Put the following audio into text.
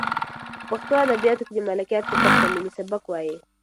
په پښتو ادبیاتو کې د ملکیار سبک ته ملي سبک وایي.